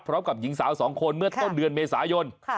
พร้อมกับหญิงสาว๒คนเมื่อต้นเดือนเมษายน